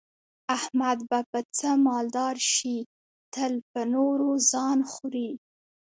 احمد به په څه مالدار شي، تل په نورو ځان خوري.